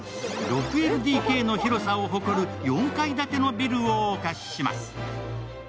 ６ＬＤＫの広さを誇る４階建てのビルをお貸しします。